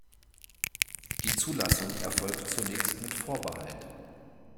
Die Zulassung erfolgt zunächst mit Vorbehalt.